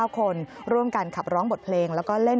๙๙๙คนร่วมกันขับร้องบทเพลง